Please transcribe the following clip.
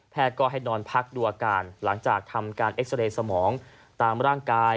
ก็ให้นอนพักดูอาการหลังจากทำการเอ็กซาเรย์สมองตามร่างกาย